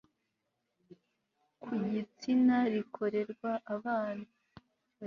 ku gitsina rikorerwa abana